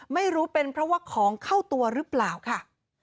ไม่รู้เป็นเพราะว่าของเข้าตัวหรือเปล่าค่ะ